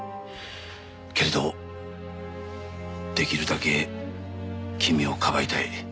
けれど出来るだけ君を庇いたい。